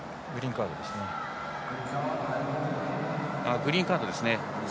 グリーンカードですね。